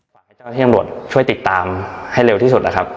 ให้เจ้าที่ตำรวจช่วยติดตามให้เร็วที่สุดนะครับ